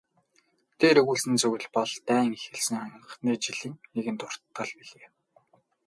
Дээр өгүүлсэн зүйл бол дайн эхэлсэн анхны жилийн нэгэн дуртгал билээ.